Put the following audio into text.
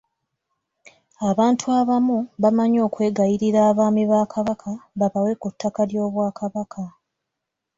Abantu abamu bamanyi okwegayirira Abaami ba Kabaka babawe ku ttaka ly'Obwakabaka.